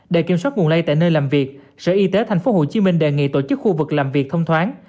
để kiểm soát nguồn lây tại nơi làm việc sở y tế tp hcm đề nghị tổ chức khu vực làm việc thông thoáng